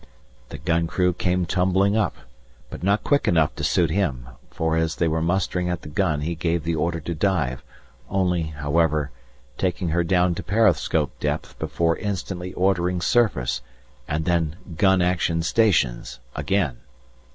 The gun crew came tumbling up, but not quick enough to suit him, for as they were mustering at the gun he gave the order to dive, only, however, taking her down to periscope depth before instantly ordering surface and then "Gun Action Stations" again.